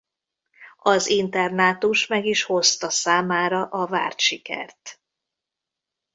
Az Internátus meg is hozta számára a várt sikert.